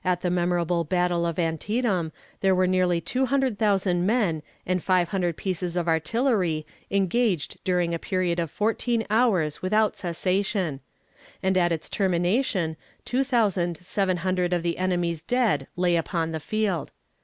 At the memorable battle of Antietam there were nearly two hundred thousand men and five hundred pieces of artillery engaged during a period of fourteen hours without cessation; and at its termination two thousand seven hundred of the enemy's dead lay upon the field.